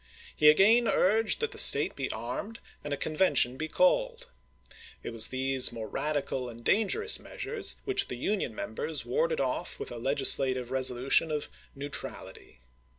He again urged that the State be armed and a conveution be called. It was these more radical and dangerous measm es which the Union members warded off with a legis lative resolution of " neutrality."